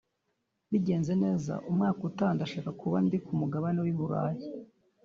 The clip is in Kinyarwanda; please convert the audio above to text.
bigenze neza umwaka utaha ndashaka kuba ndi ku mugabane w’i Burayi